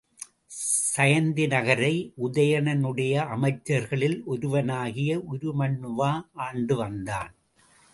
சயந்தி நகரை உதயணனுடைய அமைச்சர்களில் ஒருவனாகிய உருமண்ணுவா ஆண்டு வந்தான்.